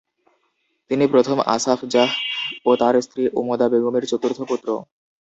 তিনি প্রথম আসাফ জাহ ও তার স্ত্রী উমদা বেগমের চতুর্থ পুত্র।